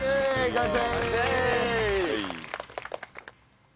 完成！